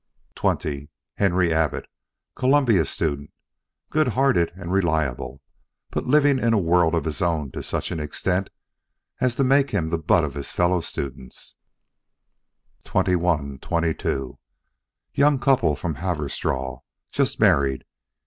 XX Henry Abbott, Columbia student, good hearted and reliable, but living in a world of his own to such an extent as to make him the butt of his fellow students. XXI XXII Young couple from Haverstraw. Just married.